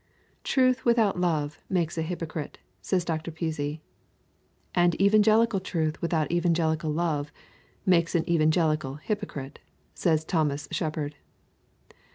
Truth without love makes a hypocrite, says Dr. Pusey; and evangelical truth without evangelical love makes an evangelical hypocrite, says Thomas Shepard.